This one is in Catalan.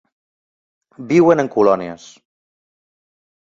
Viuen en colònies.